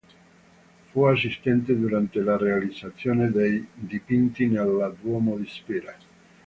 Fu assistente durante la realizzazione dei dipinti nella Duomo di Spira.